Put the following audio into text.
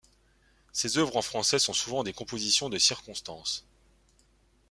Ses œuvres en français sont souvent des compositions de circonstance.